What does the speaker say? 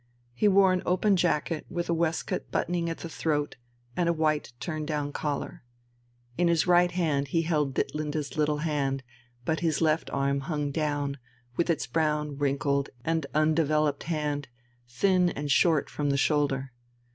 He wore an open jacket with a waistcoat buttoning at the throat and a white turn down collar. In his right hand he held Ditlinde's little hand, but his left arm hung down, with its brown, wrinkled, and undeveloped hand, thin and short from the shoulder.